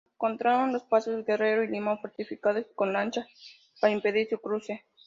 Encontraron los pasos Guerrero y Limón fortificados y con lanchas para impedir su cruce.